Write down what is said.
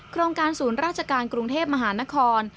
โครงการศูนย์ราชการกรุงเทพมหานคร